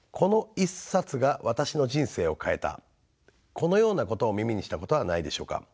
このようなことを耳にしたことはないでしょうか。